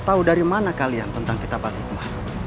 tahu dari mana kalian tentang kita pak likma